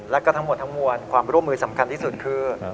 แล้วก็ทั้งหมดทั้งมวลความร่วมมือสำคัญที่สุดคือ